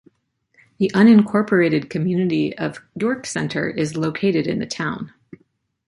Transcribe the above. The unincorporated community of York Center is located in the town.